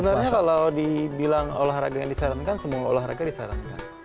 sebenarnya kalau dibilang olahraga yang disarankan semua olahraga disarankan